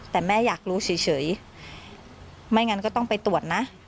แต่แม่อยากรู้เฉยไม่งั้นก็ต้องไปตรวจนะ